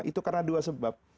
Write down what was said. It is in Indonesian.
itu karena dua sebab